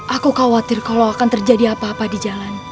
aku khawatir kalau akan terjadi apa apa di jalan